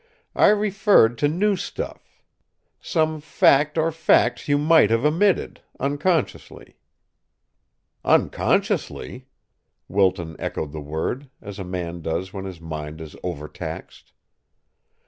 "I referred to new stuff some fact or facts you might have omitted, unconsciously." "Unconsciously?" Wilton echoed the word, as a man does when his mind is overtaxed.